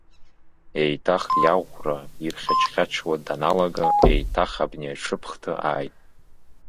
Еиҭах иаӷәра ирхьач-хьачуа даналага, еиҭах абни аҽы ԥхҭы ааит.